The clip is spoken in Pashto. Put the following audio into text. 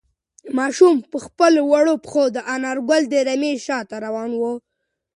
ماشوم په خپلو وړو پښو د انارګل د رمې شاته روان و.